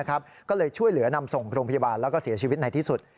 ก็เลยช่วยเหลือนำส่งโรงพยาบาลแล้วก็เสียชีวิตในที่สุด